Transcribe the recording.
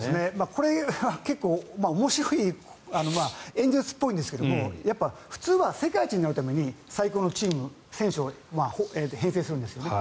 これは面白いエンゼルスっぽいんですけど普通は世界一になるために最高のチーム、選手を編成するんですよね。